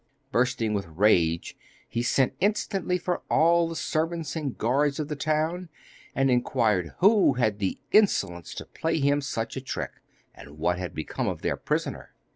Bursting with rage, he sent instantly for all the servants and guards of the town, and inquired who had the insolence to play him such a trick, and what had become of their prisoner.